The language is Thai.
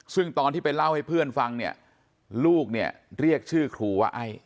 ซึ่งตอนที่ไปเล่าให้เพื่อนฟังเนี่ยลูกเนี่ยเรียกชื่อครูว่าไอ้